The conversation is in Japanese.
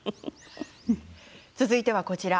続いては、こちら。